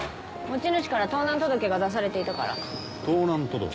持ち主から盗難届が出されていたから盗難届？